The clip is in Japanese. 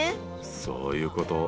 そういうこと。